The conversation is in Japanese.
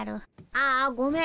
ああごめん。